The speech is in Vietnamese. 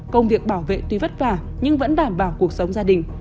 công việc bảo vệ tuy vất vả nhưng vẫn đảm bảo cuộc sống gia đình